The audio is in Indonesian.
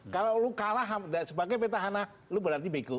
kalau lo kalah sebagai petahana lo berarti bego